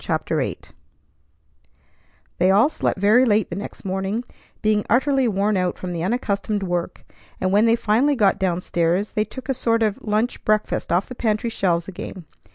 CHAPTER VIII They all slept very late the next morning, being utterly worn out from the unaccustomed work; and, when they finally got down stairs, they took a sort of a lunch breakfast off the pantry shelves again.